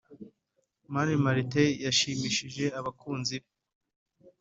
Mani Martin yashimishije abakunzi be